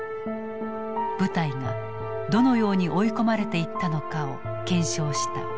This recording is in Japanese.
部隊がどのように追い込まれていったのかを検証した。